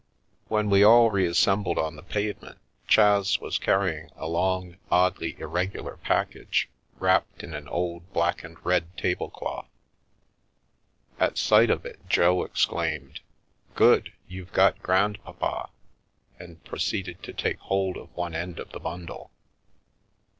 When we all reassembled on the pavement, Chas was carrying a long, oddly irregular package wrapped in an old black and red tablecloth. At sight of it Jo ex claimed :" Good ! You've got grandpapa !" and proceeded to take hold of one end of the bundle.